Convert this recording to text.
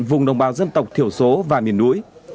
vùng đồng bào dân tộc thiểu số và miền núi